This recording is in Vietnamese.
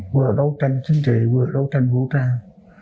vừa đấu tranh chính trị vừa đấu tranh vũ trang